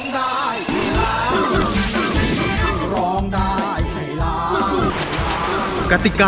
กติกาทุกวัย